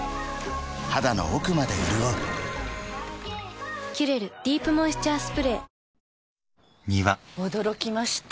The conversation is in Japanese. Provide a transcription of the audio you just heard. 肌の奥まで潤う「キュレルディープモイスチャースプレー」驚きました。